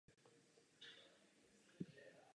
Zde zasedal až do své smrti.